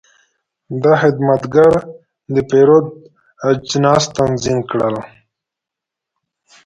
دا خدمتګر د پیرود اجناس تنظیم کړل.